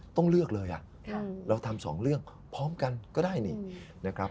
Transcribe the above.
ท่านครับ